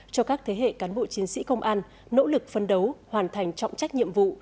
cho các thế hệ cán bộ chiến sĩ công an nỗ lực phân đấu hoàn thành trọng trách nhiệm vụ